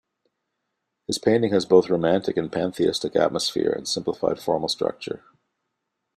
His painting has a both Romantic and pantheistic atmosphere and simplified formal structure.